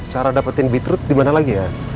cara dapetin beetroot dimana lagi ya